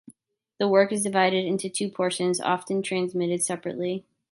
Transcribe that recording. The work is divided into two portions, often transmitted separately.